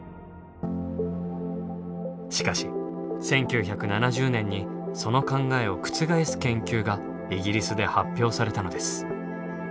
しかし１９７０年にその考えを覆す研究がイギリスで発表されたのです。